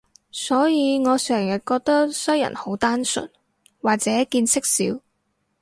所以我成日覺得西人好單純，或者見識少